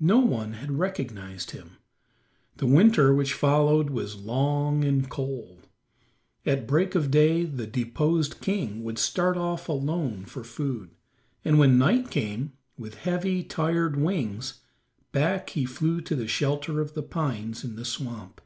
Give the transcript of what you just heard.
No one had recognized him. The winter which followed was long and cold. At break of day the deposed king would start off alone for food, and when night came, with heavy, tired wings, back he flew to the shelter of the pines in the swamp.